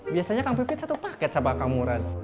biasanya kang pipit satu paket sama kak murad